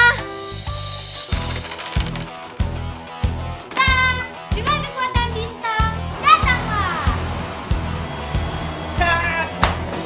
linda dengan kekuatan bintang